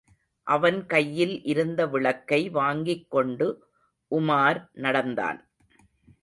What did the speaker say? அவன் கையில் இருந்த விளக்கை வாங்கிக் கொண்டு உமார் நடந்தான்.